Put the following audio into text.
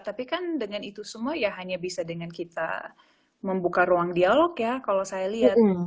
tapi kan dengan itu semua ya hanya bisa dengan kita membuka ruang dialog ya kalau saya lihat